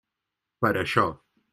Per això.